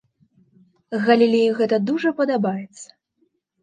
Галілею гэта дужа падабаецца.